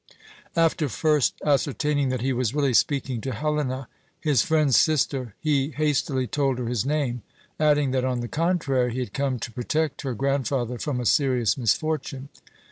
After first ascertaining that he was really speaking to Helena, his friend's sister, he hastily told her his name, adding that, on the contrary, he had come to protect her grandfather from a serious misfortune.